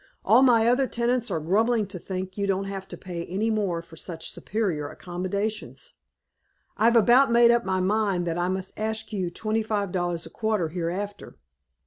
All my other tenants are grumbling to think you don't have to pay any more for such superior accommodations. I've about made up my mind that I must ask you twenty five dollars a quarter, hereafter."